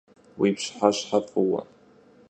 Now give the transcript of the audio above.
Vui pş'ıheşhe f'ıue!